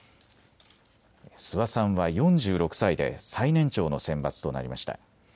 諏訪さんは４６歳で最年長の選抜となりました。